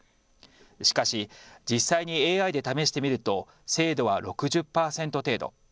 しかし実際にＡＩで試してみると精度は６０％程度。